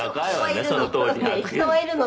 ねえ“人はいるの？”